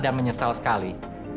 dan menyesal sekali